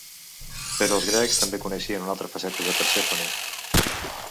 Però els grecs també coneixien una altra faceta de Persèfone.